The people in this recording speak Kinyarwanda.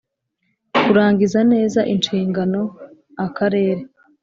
Kurangiza neza inshingano akarere